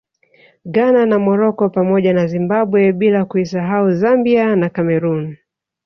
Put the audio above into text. Ghana na Morocco pamoja na Zimbabwe bila kuisahau Zambia na Cameroon